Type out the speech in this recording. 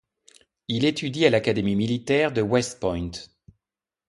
Il étudie à l'Académie militaire de West Point.